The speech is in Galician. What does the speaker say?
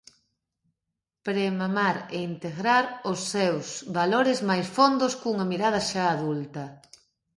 Pre mamar e integrar os seus valores máis fondos cunha mirada xa adulta.